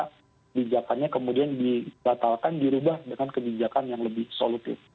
kebijakannya kemudian dibatalkan dirubah dengan kebijakan yang lebih solutif